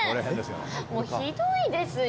もうひどいですよ。